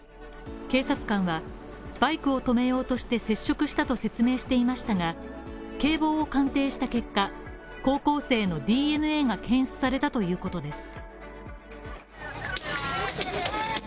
警察官はバイクを止めようとして接触したと説明していましたが、警棒を鑑定した結果、高校生のＤＮＡが検出されたということです。